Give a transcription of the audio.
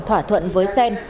thỏa thuận với sen